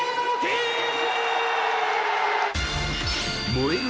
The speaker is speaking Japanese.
燃える